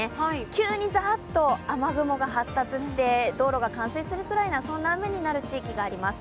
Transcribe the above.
急にざっと雨雲が発達して道路が冠水するぐらいのそんな雨になる地域があります。